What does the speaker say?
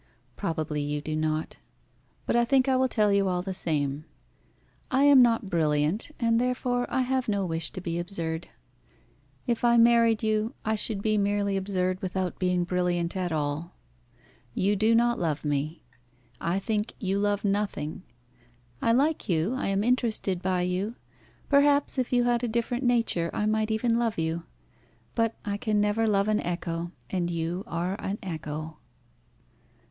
Probably you do not; but I think I will tell you all the same. I am not brilliant, and therefore I have no wish to be absurd. If I married you I should be merely absurd without being brilliant at all. You do not love me. I think you love nothing. I like you; I am interested by you. Perhaps if you had a different nature I might even love you. But I can never love an echo, and you are an echo."